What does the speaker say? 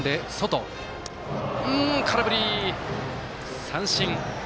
空振り三振。